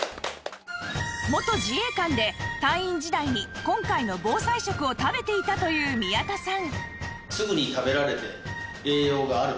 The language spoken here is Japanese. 元自衛官で隊員時代に今回の防災食を食べていたという宮田さん